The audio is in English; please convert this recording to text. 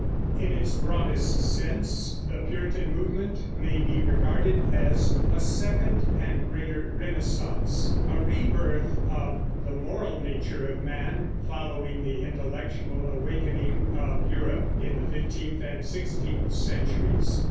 In its broadest sense the Puritan movement may be regarded as a second and greater Renaissance, a rebirth of the moral nature of man following the intellectual awakening of Europe in the fifteenth and sixteenth centuries.